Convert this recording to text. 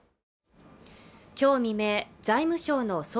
今日未明財務省の総括